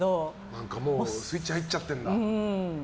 何かもうスイッチ入っちゃってんだ。